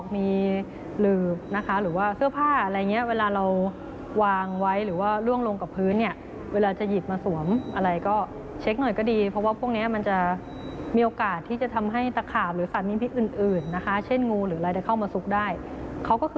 ไม่ได้มาจะมาล่าเราหรือจะมาทำอะไรเราหรอก